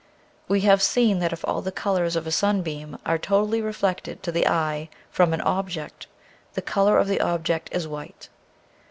We have seen that if all the colors of a sun beam are totally reflected to the eye from an object, the color of the object is white.